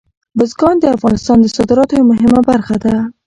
بزګان د افغانستان د صادراتو یوه مهمه برخه ده.